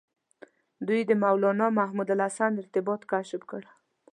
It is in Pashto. دوی د مولنا محمود الحسن ارتباط کشف کړ.